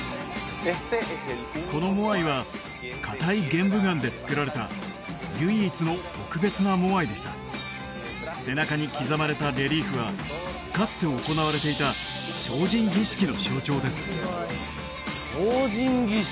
このモアイはかたい玄武岩でつくられた唯一の特別なモアイでした背中に刻まれたレリーフはかつて行われていた鳥人儀式の象徴です鳥人儀式？